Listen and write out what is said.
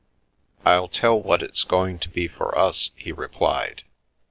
" I'll tell what it's going to be for us," he replied.